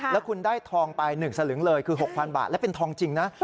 แล้วคุณได้ทองไป๑สลึงเลยคือ๖๐๐บาทและเป็นทองจริงนะ